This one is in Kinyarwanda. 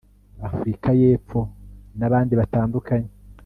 Afurika y’Epfo n’abandi batandukanye